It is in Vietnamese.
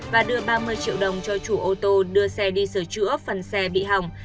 và đưa ba mươi triệu đồng cho chủ ô tô đưa xe đi sửa chữa phần xe bị hỏng